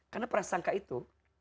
karena perasangka itu